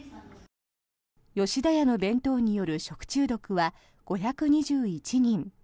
吉田屋の弁当による食中毒は５２１人。